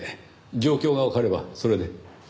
状況がわかればそれで。